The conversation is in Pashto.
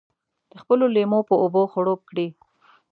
د خپلو لېمو په اوبو خړوب کړي.